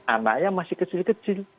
anaknya masih kecil kecil